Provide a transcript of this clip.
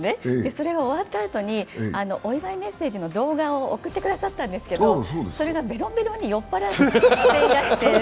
それが終わったあとにお祝いメッセージの動画を送ってくださったんですけどそれがべろんべろんに酔っぱらっていらして。